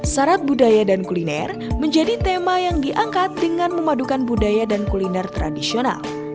sarat budaya dan kuliner menjadi tema yang diangkat dengan memadukan budaya dan kuliner tradisional